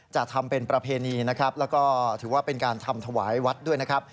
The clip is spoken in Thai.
จะทำเป็นประเพณีนะครับแล้วก็ถือว่าเป็นการทำถวายวัดด้วยนะครับ